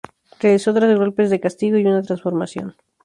Realizó tres golpes de castigo y una transformación.